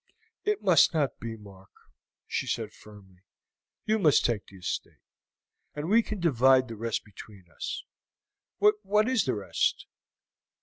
"It must not be, Mark," she said firmly. "You must take the estate, and we can divide the rest between us. What is the rest?"